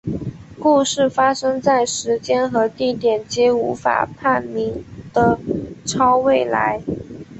故事发生在时间和地点皆无法判明的超未来。